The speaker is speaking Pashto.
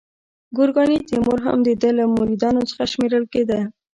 ګورکاني تیمور هم د ده له مریدانو څخه شمیرل کېده.